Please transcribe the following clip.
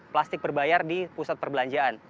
plastik berbayar di pusat perbelanjaan